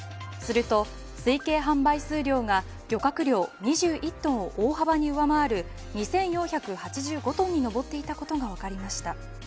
すると、推計販売数量が漁獲量２１トンを大幅に上回る２４８５トンに上っていたことが分かりました。